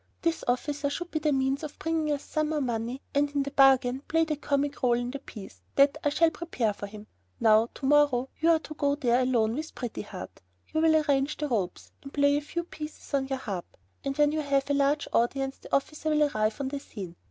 This officer should be the means of bringing us some more money and, in the bargain, play the comic rôle in the piece that I shall prepare for him. Now, to morrow, you are to go there alone with Pretty Heart. You will arrange the ropes, and play a few pieces on your harp, and when you have a large audience the officer will arrive on the scene.